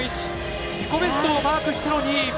自己ベストをマークしての２位。